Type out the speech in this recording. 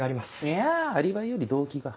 いやアリバイより動機が。